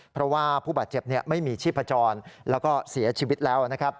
เพราะว่าผู้บาดเจ็บไม่มีชีพจรแล้วก็เสียชีวิตแล้วนะครับ